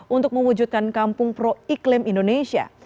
untuk mewujudkan kampung pro iklim indonesia